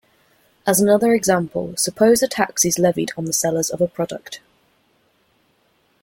As another example, suppose a tax is levied on the sellers of a product.